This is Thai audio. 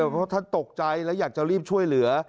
เพราะท่านตกใจและอยากจะรีบช่วยเหลือ